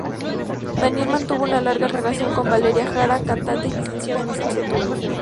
Daniel mantuvo una larga relación con Valeria Jara, cantante y licenciada en Literatura.